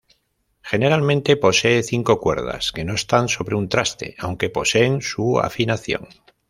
Generalmente posee cinco cuerdas, que no están sobre un traste, aunque poseen su afinación.